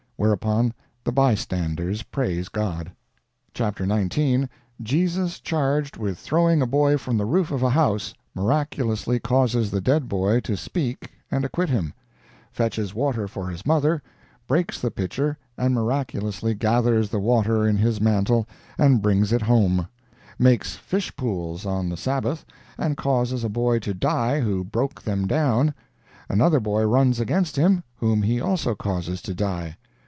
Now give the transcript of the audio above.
Whereupon the bystanders praise God." "Chapter 19. Jesus charged with throwing a boy from the roof of a house, miraculously causes the dead boy to speak and acquit him; fetches water for his mother, breaks the pitcher and miraculously gathers the water in his mantle and brings it home; makes fish pools on the Sabbath, and causes a boy to die who broke them down; another boy runs against him, whom he also causes to die.